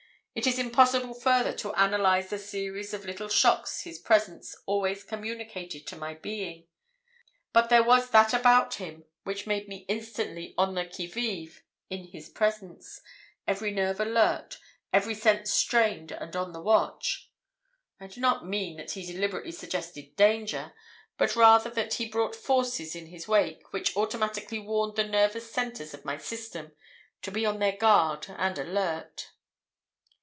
It is impossible further to analyse the series of little shocks his presence always communicated to my being; but there was that about him which made me instantly on the qui vive in his presence, every nerve alert, every sense strained and on the watch. I do not mean that he deliberately suggested danger, but rather that he brought forces in his wake which automatically warned the nervous centres of my system to be on their guard and alert.